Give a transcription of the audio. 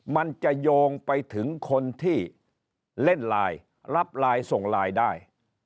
มันจะโยงไปถึงคนที่เล่นไลน์รับไลน์ส่งไลน์ได้